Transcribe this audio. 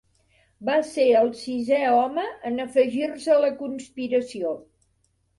Va ser el sisè home en afegir-se a la conspiració.